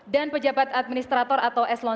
dan pejabat administrator atau eslon